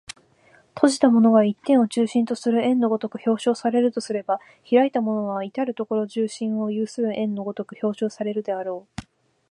閉じたものが一点を中心とする円の如く表象されるとすれば、開いたものは到る処中心を有する円の如く表象されるであろう。